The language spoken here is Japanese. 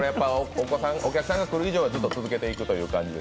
お子さんが来る以上は続けていくという感じで？